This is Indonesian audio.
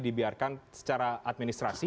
dibiarkan secara administrasi